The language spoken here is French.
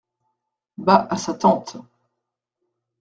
Bas à sa tante.